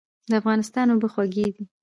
د افغانستان اوبه خوږې دي